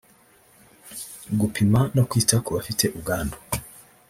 gupima no kwita ku bafite ubwandu